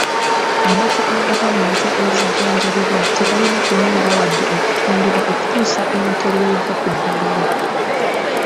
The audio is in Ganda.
Amata agava mu nte ezijjanjabibwa tegalina kunywebwa wadde okutundibwa okutuusa ente lw’eva ku ddagala.